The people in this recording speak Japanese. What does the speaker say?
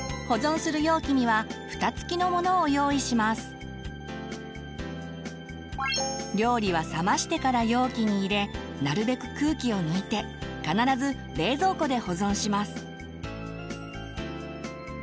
ここで料理は冷ましてから容器に入れなるべく空気を抜いて必ず冷蔵庫で保存します。